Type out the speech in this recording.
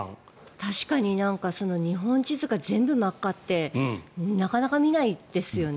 確かに日本地図が全部真っ赤ってなかなか見ないですよね。